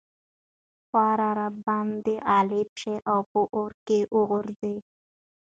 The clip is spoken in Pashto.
خو ورباندي غالب شي او په اور كي ورغورځي